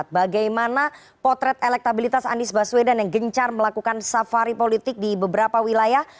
bagaimana potret elektabilitas anies baswedan yang gencar melakukan safari politik di beberapa wilayah